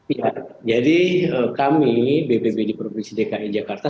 iya jadi kami bpp di provinsi dki jakarta